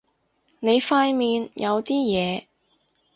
你塊面有啲嘢